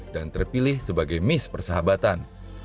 dan terpilih sebagai miss persahabatan